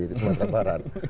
di sumatera barat